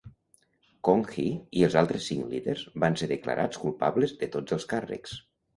Kong Hee i els altres cinc líders van ser declarats culpables de tots els càrrecs.